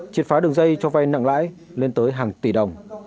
triệt phá đường dây cho vay nặng lãi lên tới hàng tỷ đồng